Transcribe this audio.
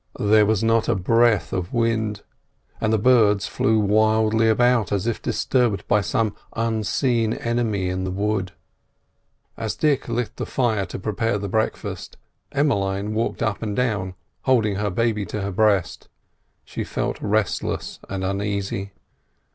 There was not a breath of wind, and the birds flew wildly about as if disturbed by some unseen enemy in the wood. As Dick lit the fire to prepare the breakfast, Emmeline walked up and down, holding her baby to her breast; she felt restless and uneasy.